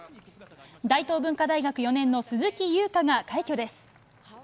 大東文化大学４年の鈴木優花が快挙です。